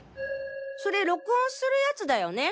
それ録音するヤツだよね。